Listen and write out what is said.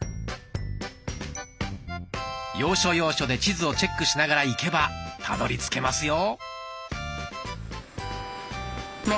要所要所で地図をチェックしながら行けばたどりつけますよ。